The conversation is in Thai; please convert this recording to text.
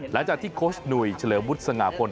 หลังจากที่โค้ชหนุ่ยเฉลิมวุฒิสง่าพล